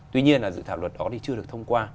tuy nhiên là dự thảo luật đó thì chưa được thông qua